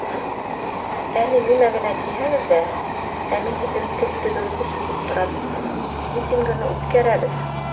Әле нимә генә тиһәгеҙ ҙә, ә мин һеҙҙең тел төбөгөҙҙө һиҙеп торам, митингыны үткәрәбеҙ